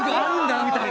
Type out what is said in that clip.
みたいな。